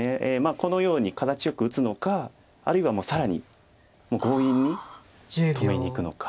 このように形よく打つのかあるいはもう更に強引に止めにいくのか。